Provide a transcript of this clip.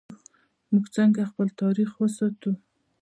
موږ څنګه خپل تاریخ ساتو؟